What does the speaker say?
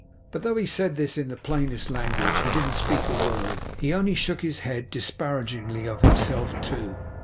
But though he said this in the plainest language, he didn't speak a word. He only shook his head; disparagingly of himself too.